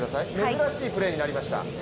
珍しいプレーになりました。